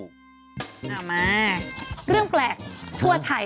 เอามาเรื่องแปลกทั่วไทย